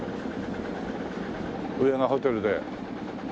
上がホテルで。